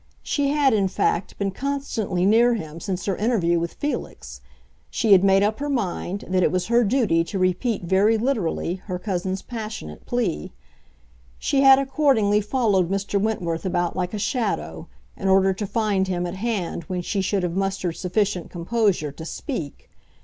She had, in fact, been constantly near him since her interview with Felix; she had made up her mind that it was her duty to repeat very literally her cousin's passionate plea. She had accordingly followed Mr. Wentworth about like a shadow, in order to find him at hand when she should have mustered sufficient composure to speak.